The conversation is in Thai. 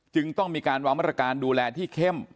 จึงต้องมีการวางมาตรการดูแลที่เข้ม